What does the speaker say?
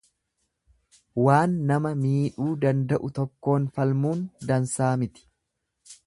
Waan nama miidhuu danda'u tokkoon falmuun dansaa miti.